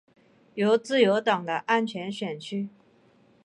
是自由党的安全选区。